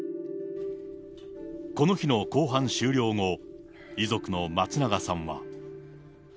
この日の公判終了後、遺族の松永さんは。